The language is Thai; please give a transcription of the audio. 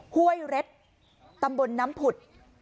ห้วยเร็ดตำบลน้ำผุด